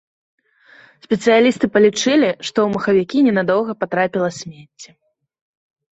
Спецыялісты палічылі, што ў махавікі ненадоўга патрапіла смецце.